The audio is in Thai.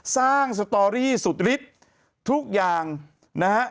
สร้างสตอรี่สุดฤทธิ์ทุกอย่างนะครับ